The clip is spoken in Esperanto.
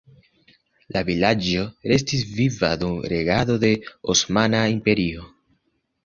La vilaĝo restis viva dum regado de Osmana Imperio.